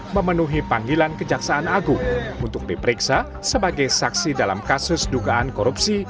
memenuhi panggilan kejaksaan agung untuk diperiksa sebagai saksi dalam kasus dugaan korupsi